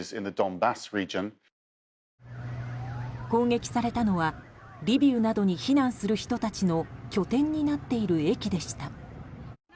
攻撃されたのはリビウなどに避難する人たちの拠点になっている駅でした。